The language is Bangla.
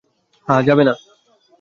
হ্যাঁ, যাবে না।